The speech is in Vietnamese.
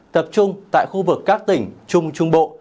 tập trung tại khu vực các tỉnh trung trung bộ